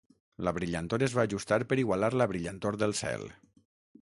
La brillantor es va ajustar per igualar la brillantor del cel.